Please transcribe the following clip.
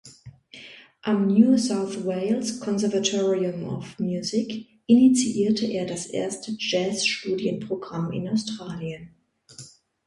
Am "New South Wales Conservatorium of Music" initiierte er das erste Jazz-Studienprogramm in Australien.